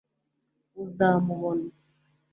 uzamubona